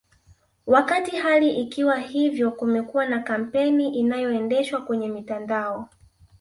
Wakati hali ikiwa hivyo kumekuwa na kampeni inayoendeshwa kwenye mitandao